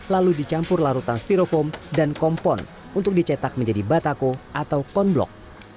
lalu dicampur larutan styrofoam dan kompon untuk dicetak menjadi batako atau konblok